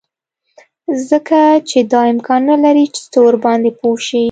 ځکه چې دا امکان نلري چې ته ورباندې پوه شې